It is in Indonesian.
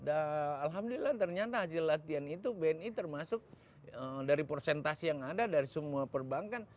alhamdulillah ternyata hasil latihan itu bni termasuk dari persentasi yang ada dari semua perbankan